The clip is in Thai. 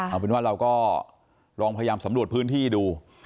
เอาเป็นว่าเราก็ลองพยายามสำรวจพื้นที่ดู